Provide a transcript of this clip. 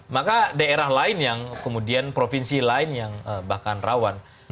maka daerah lain provinsi lain yang bahkan rawan